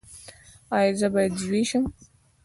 ایا زه باید زوی شم؟